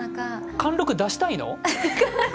貫禄出したいの？